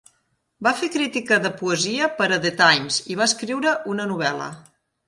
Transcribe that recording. Va fer crítica de poesia per a "The Times" i va escriure una novel·la.